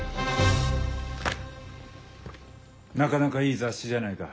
なかなかいい雑誌じゃないか。